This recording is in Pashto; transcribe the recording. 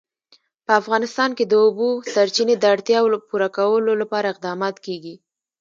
په افغانستان کې د د اوبو سرچینې د اړتیاوو پوره کولو لپاره اقدامات کېږي.